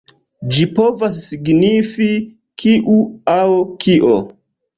Ĝi povas signifi „kiu“ aŭ „kio“.